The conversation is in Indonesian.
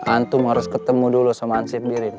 antum harus ketemu dulu sama ansin ya